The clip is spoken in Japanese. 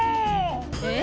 えっ？